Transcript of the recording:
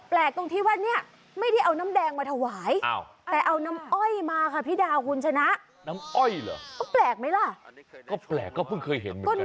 แปลกตรงที่ว่าไม่ได้เอาน้ำแดงมาถวาย